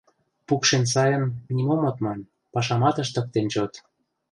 Пукшен сайын, нимом от ман, пашамат ыштыктен чот.